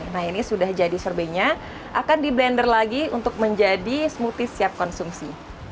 nah ini sudah jadi sorbenya akan di blender lagi untuk menjadi smoothies siap konsumsi